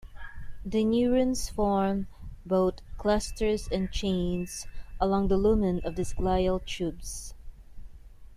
The neurons form both clusters and chains along the lumen of these glial tubes.